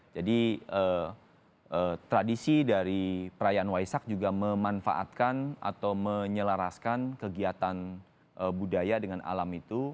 jadi tradisi dari perayaan waisak juga memanfaatkan atau menyelaraskan kegiatan budaya dengan alam itu